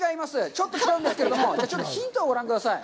ちょっと違うんですけれども、ヒントご覧ください。